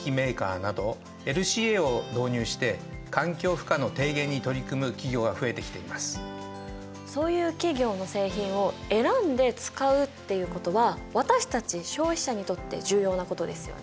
ほかにもそういう企業の製品を選んで使うっていうことは私たち消費者にとって重要なことですよね。